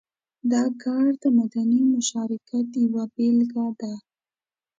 دا کار د مدني مشارکت یوه بېلګه ده.